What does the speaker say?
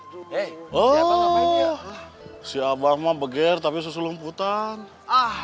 siapa ngapain ya si abah mah begir tapi susu lembutan ah